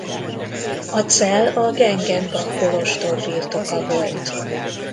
A Zell a Gengenbach-kolostor birtoka volt.